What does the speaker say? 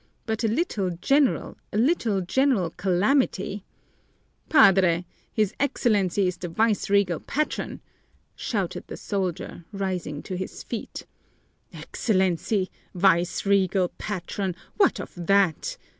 But a little General a little General Calamity " "Padre, his Excellency is the Vice Regal Patron!" shouted the soldier, rising to his feet. "Excellency! Vice Regal Patron! What of that!"